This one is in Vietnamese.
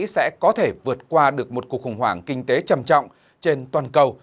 sẽ có thể vượt qua được một cuộc khủng hoảng kinh tế trầm trọng trên toàn cầu